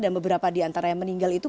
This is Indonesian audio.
dan beberapa diantara yang meninggal itu